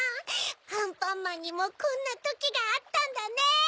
アンパンマンにもこんなときがあったんだね。